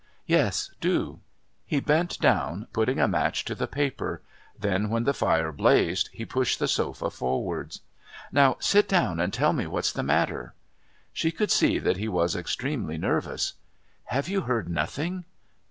"Yes, do." He bent down, putting a match to the paper; then when the fire blazed he pushed the sofa forwards. "Now sit down and tell me what's the matter." She could see that he was extremely nervous. "Have you heard nothing?"